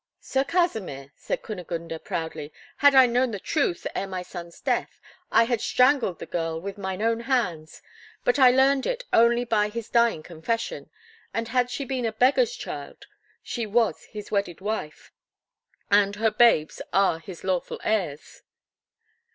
"Sir Kasimir," said Kunigunde proudly, "had I known the truth ere my son's death, I had strangled the girl with mine own hands! But I learnt it only by his dying confession; and, had she been a beggar's child, she was his wedded wife, and her babes are his lawful heirs."